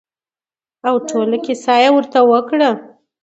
او ټوله کېسه يې ورته وکړه.